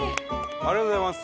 ありがとうございます。